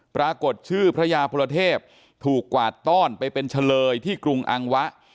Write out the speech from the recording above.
ปรากฏชื่อพระยาพลเทพถูกกวาดต้อนไปเป็นเฉลยที่กรุงอังวะ